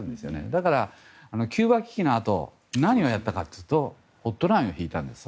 だから、キューバ危機のあと何をやったかというとホットラインを引いたんです。